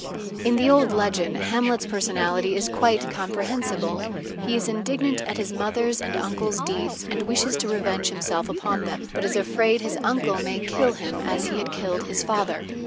In the old legend, Hamlet's personality is quite comprehensible: he is indignant at his mother's and his uncle's deeds, and wishes to revenge himself upon them, but is afraid his uncle may kill him as he had killed his father.